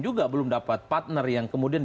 juga belum dapat partner yang kemudian